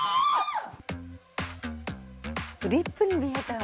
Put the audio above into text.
リップに見えたわ。